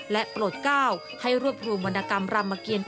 และโปรดก้าวให้รวบรวมวรรณกรรมรามเกียร